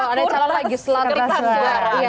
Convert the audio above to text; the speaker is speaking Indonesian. ada lima kertas suara